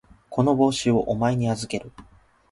この帽子をお前に預ける。